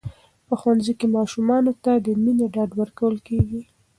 په ښوونځي کې ماشومانو ته د مینې ډاډ ورکول کېږي.